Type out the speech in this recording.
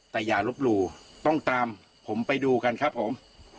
แต่อย่าลบหลู่ต้องตามผมไปดูกันครับผม